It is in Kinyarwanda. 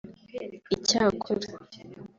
icyakora